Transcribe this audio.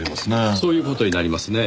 そういう事になりますねぇ。